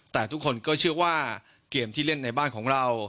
แต่ทุกคนก็เชื่อว่าเกมที่เล่นในบ้านของเรา